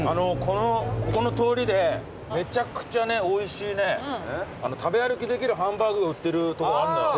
ここの通りでめちゃくちゃおいしい食べ歩きできるハンバーグを売ってるとこがあるのよ。